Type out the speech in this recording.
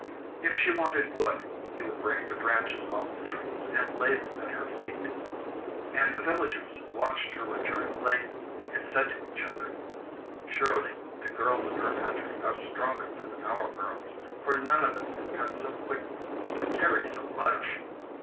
If she wanted wood, he would break the branches off the trees and lay them at her feet. And the villagers watched her return laden, and said to each other: 'Surely the girls of her country are stronger than our girls, for none of them could cut so quickly or carry so much!